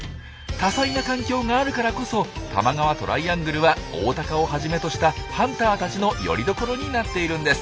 多彩な環境があるからこそ多摩川トライアングルはオオタカをはじめとしたハンターたちのよりどころになっているんです。